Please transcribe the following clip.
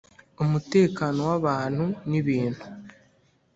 Umutekano w abantu n ibintu